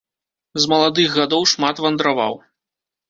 З маладых гадоў шмат вандраваў.